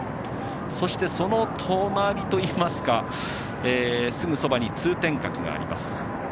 そして、その隣といいますかすぐそばに通天閣があります。